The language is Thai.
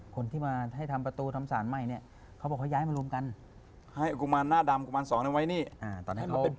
คนที่มาให้ทำประตูทำสารใหม่เนี่ย